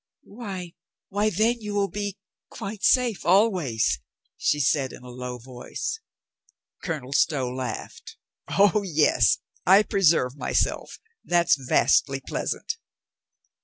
"Why, why, then, you will be — quite safe — al ways," she said in a low voice. Colonel Stow laughed. "O, yes, I preserve my self. That's vastly pleasant."